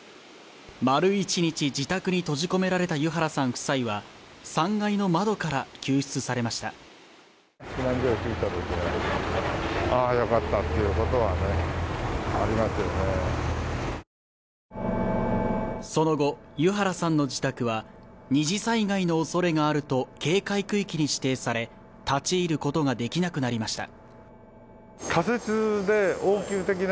丸１日自宅に閉じ込められた湯原さん夫妻は３階の窓から救出されましたその後湯原さんの自宅は２次災害のおそれがあると警戒区域に指定され立ち入ることができなくなりました